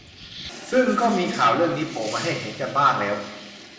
ซึ่งก็มีข่าวเรื่องนี้โผล่มาให้เห็นกันบ้างแล้ว